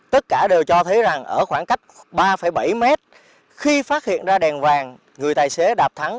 tất cả đều cho thấy rằng ở khoảng cách ba bảy mét khi phát hiện ra đèn vàng người tài xế đạp thắng